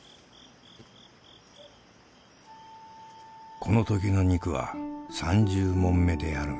「このときの肉は３０匁であるが」